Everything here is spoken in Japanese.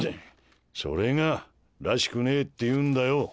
それがらしくねえっていうんだよ。